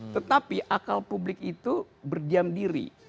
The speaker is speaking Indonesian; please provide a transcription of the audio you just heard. tetapi akal publik itu berdiam diri